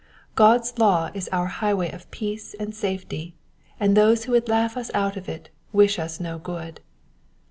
God^s law is our highway of peace and safety, and those who would laugh us out of it wish us no good.